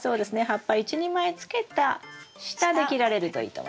葉っぱ１２枚つけた下で切られるといいと思います。